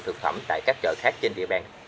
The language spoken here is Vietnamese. thực phẩm tại các chợ khác trên địa bàn